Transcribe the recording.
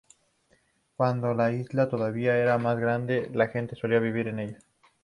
Cuando la isla todavía era más grande, la gente solía vivir en ella.